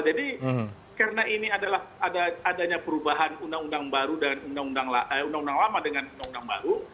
jadi karena ini adalah adanya perubahan undang undang lama dengan undang undang baru